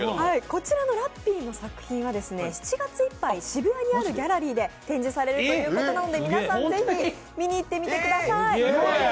こちらのラッピーの作品は７月いっぱい、渋谷にあるギャラリーで展示されると言うことなので、皆さん、是非、見に行ってみてください。